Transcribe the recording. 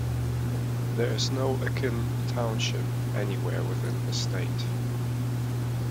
There is no Akin Township anywhere within the state.